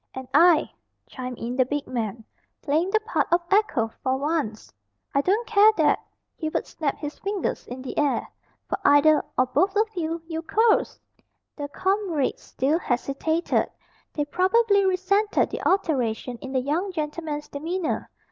"And I," chimed in the big man, playing the part of echo for once. "I don't care that," Hubert snapped his fingers in the air, "for either, or both of you, you curs!" The comrades still hesitated they probably resented the alteration in the young gentleman's demeanour.